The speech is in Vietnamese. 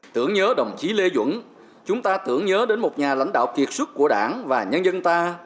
tưởng nhớ đồng chí lê duẩn chúng ta tưởng nhớ đến một nhà lãnh đạo kiệt sức của đảng và nhân dân ta